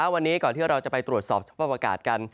วันนี้ก่อนที่เราจะไปตรวจสอบสภาพอากาศกัน